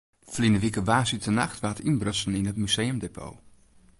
Ferline wike woansdeitenacht waard ynbrutsen yn it museumdepot.